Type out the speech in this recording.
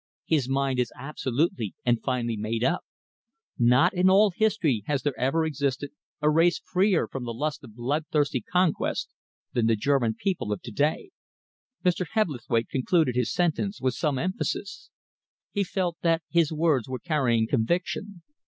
His mind is absolutely and finally made up. Not in all history has there ever existed a race freer from the lust of bloodthirsty conquest than the German people of to day." Mr. Hebblethwaite concluded his sentence with some emphasis. He felt that his words were carrying conviction.